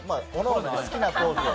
好きなポーズで。